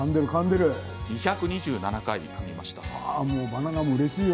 ２２７回かみました。